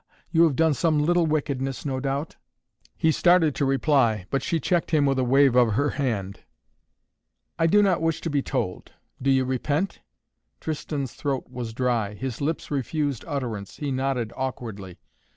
You have done some little wickedness, no doubt?" He started to reply, but she checked him with a wave of her hand. "I do not wish to be told. Do you repent?" Tristan's throat was dry. His lips refused utterance. He nodded awkwardly.